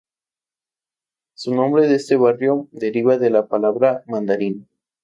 Su nombre de este barrio deriva de la palabra "Mandarín".